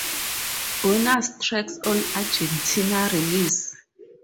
Bonus tracks on Argentine release